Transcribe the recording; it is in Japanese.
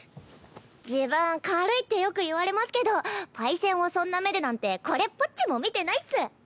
自分軽いってよく言われますけどパイセンをそんな目でなんてこれっぽっちも見てないっス。